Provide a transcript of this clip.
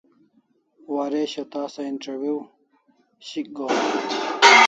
Waresho tasa interview shik gohan